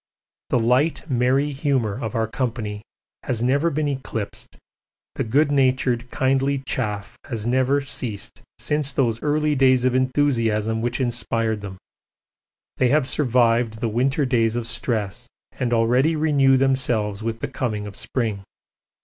The light, merry humour of our company has never been eclipsed, the good natured, kindly chaff has never ceased since those early days of enthusiasm which inspired them they have survived the winter days of stress and already renew themselves with the coming of spring.